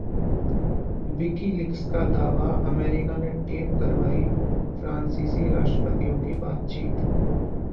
WikiLeaks का दावा- America ने टेप करवाई फ्रांसीसी राष्ट्रपतियों की बातचीत